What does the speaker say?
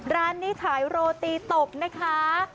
ร้านนี้ขายโรตีตบนะคะ